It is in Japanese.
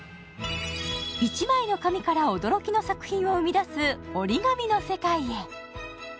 一枚の紙から驚きの作品を生み出す折り紙の世界へ。